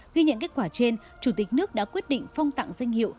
ghi nhận kết quả trên chủ tịch nước đã quyết định phong tặng danh hiệu